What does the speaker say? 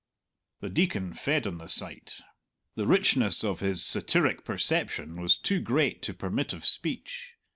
The Deacon fed on the sight. The richness of his satiric perception was too great to permit of speech.